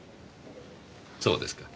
そうですか。